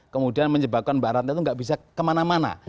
kemudian menyebabkan mbak ratna itu nggak bisa kemana mana